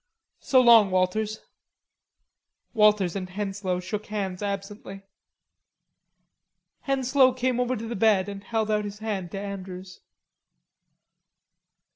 So long, Walters." Walters and Henslowe shook hands absently. Henslowe came over to the bed and held out his hand to Andrews.